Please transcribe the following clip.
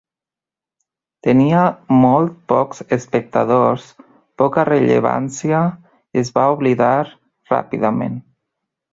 Tenia molt pocs espectadors, poca rellevància i es va oblidar ràpidament.